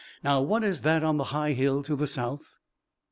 Now, what is that on the high hill to the south?"